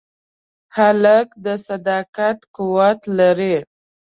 هلک د صداقت قوت لري.